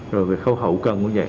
rồi về khâu hậu cần cũng vậy